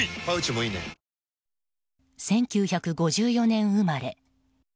１９５４年生まれ。